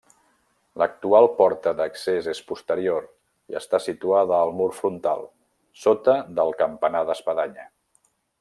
L'actual porta d'accés és posterior, i està situada al mur frontal, sota del campanar d'espadanya.